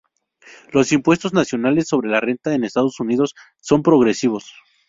Los impuestos nacionales sobre la renta en Estados Unidos son progresivos.